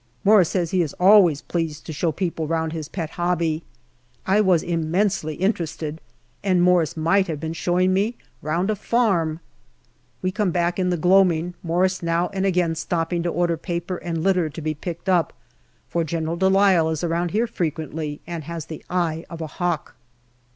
Morris says he is always pleased to show people round his pet hobby. I was immensely interested, and Morris might have been showing me round a farm. We come back in the gloaming, Morris now and again stopping to order paper and litter to be picked up, for General de Lisle is around here frequently, and has the eye of a hawk.